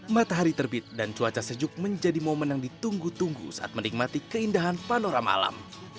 matahari terbit dan cuaca sejuk menjadi momen yang ditunggu tunggu saat menikmati keindahan panorama alam